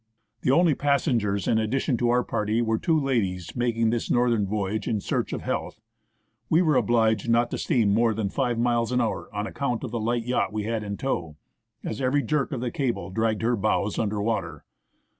The only passengers in addition to our own party were two ladies making this Northern voyage in search of health. We were 41 THE ASCENT OF MOUNT ST. ELIAS obliged not to steam more than five miles an hour, on account of the light yacht we had in tow, as every jerk of the cable dragged her bows under water."